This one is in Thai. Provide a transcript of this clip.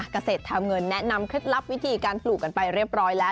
เกษตรทำเงินแนะนำเคล็ดลับวิธีการปลูกกันไปเรียบร้อยแล้ว